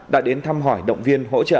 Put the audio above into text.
đã đến thăm hỏi động viên hỗ trợ